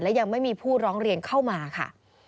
และยังไม่มีผู้ร้องเรียนเข้ามาค่ะ